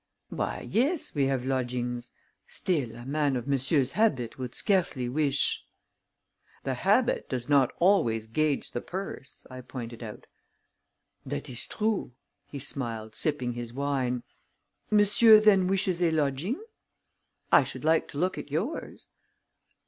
"Why, yes, we have lodgings; still, a man of monsieur's habit would scarcely wish " "The habit does not always gauge the purse," I pointed out. "That is true," he smiled, sipping his wine. "Monsieur then wishes a lodging?" "I should like to look at yours."